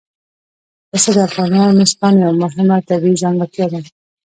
پسه د افغانستان یوه مهمه طبیعي ځانګړتیا ده.